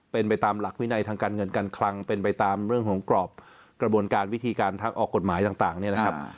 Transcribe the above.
เป็นไปตามหลักวินัยทางการเงินการคลังเป็นไปตามเรื่องของกรอบกระบวนการวิธีการทางออกกฎหมายต่างเนี่ยนะครับ